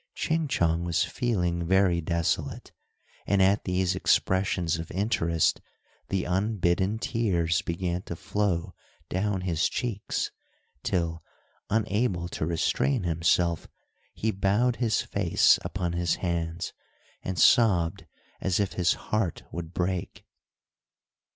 Ching Chong was feeling very desolate, and at these expressions of interest the unbidden tears began to flow down his cheeks, till, unable to restrain himself, he bowed his face upon his hands, and sobbed as if his heart would break.